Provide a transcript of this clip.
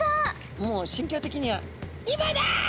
もう心境的には「今だ」です。